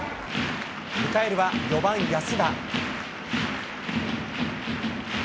迎えるは４番安田。